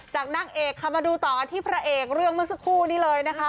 นางเอกค่ะมาดูต่อกันที่พระเอกเรื่องเมื่อสักครู่นี้เลยนะคะ